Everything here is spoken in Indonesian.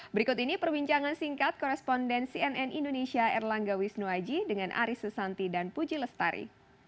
berikut ini perbincangan singkat koresponden cnn indonesia erlangga wisnuaji dengan aris susanti dan puji lestari